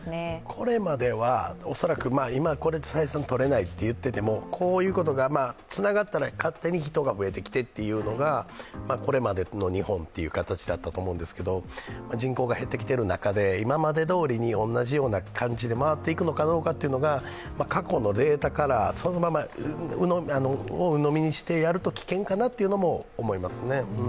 これまでは恐らく今、これ、採算が取れないと言っていてもこういうことがつながったら勝手に人が増えてきてというのがこれまでの日本という形だったと思うんですけど、人口が減ってきてる中で今までどおりに同じような感じで回っていくかどうかというのは過去のデータをそのままうのみにしてやると危険かなというのも思いますね。